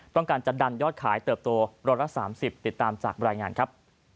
ต้องการจะดันยอดขายเติบโต๑๓๐ติดตามจากรายงานครับ